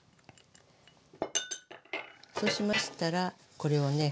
そうしましたらこれをね